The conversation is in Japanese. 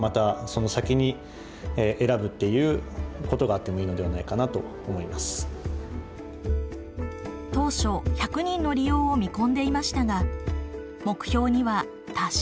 当初１００人の利用を見込んでいましたが目標には達していません。